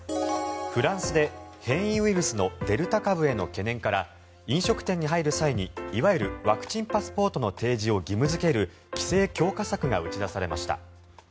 フランスで変異ウイルスのデルタ株への懸念から飲食店に入る際にいわゆるワクチンパスポートの提示を義務付ける規制強化策が打ち出されました。